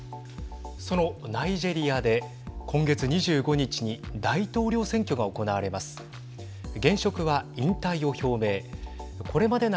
そのナイジェリアで今月２５日に大統領選挙が行われます。